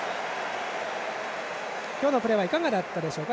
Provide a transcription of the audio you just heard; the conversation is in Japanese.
今日のプレーはいかがだったでしょうか